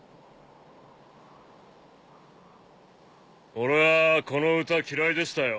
俺はこの歌嫌いでしたよ。